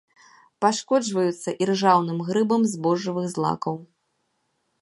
Пашкоджваюцца іржаўным грыбам збожжавых злакаў.